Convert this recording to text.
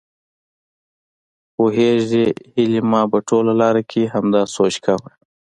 پوهېږې هيلې ما په ټوله لار کې همداسې سوچ کاوه.